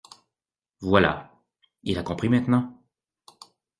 Voilà. Il a compris, maintenant?